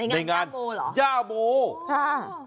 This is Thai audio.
ในงานย่ำโมหรอ